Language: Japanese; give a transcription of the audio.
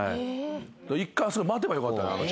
１回あそこ待てばよかった。